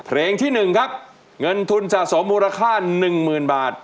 เพลงที่๑ครับเงินทุนสะสมมูลค่า๑๐๐๐บาท